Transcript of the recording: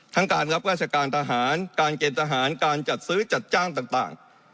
การรับราชการทหารการเกณฑ์ทหารการจัดซื้อจัดจ้างต่าง